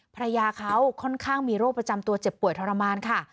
ภรรยาเขาค่อนข้างมีโรคประจำตัวเจ็บป่วยทรมานค่ะ